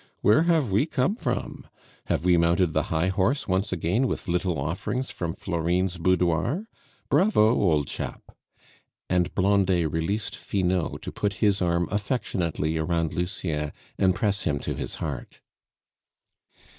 Where have we come from? Have we mounted the high horse once more with little offerings from Florine's boudoir? Bravo, old chap!" and Blondet released Finot to put his arm affectionately around Lucien and press him to his heart.